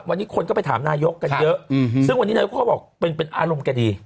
วันนี้คนก็ไปถามนายกกันเยอะซึ่งวันนี้นายกก็บอกเป็นอารมณ์แกดี